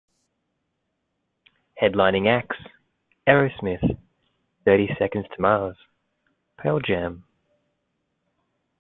Headlining acts: Aerosmith, Thirty Seconds to Mars, Pearl Jam.